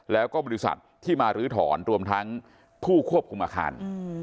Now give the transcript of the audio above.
แล้วก็บริษัทที่มาลื้อถอนรวมทั้งผู้ควบคุมอาคาร